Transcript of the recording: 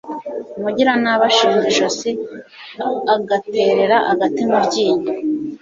umugiranabi ashinga ijosi, agaterera agati mu ryinyo